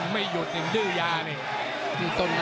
มันโดนแต่มันไม่ยุบไม่หยุดนะ